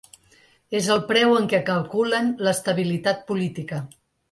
És el preu en què calculen l’estabilitat política.